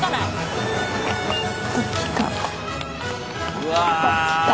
うわ！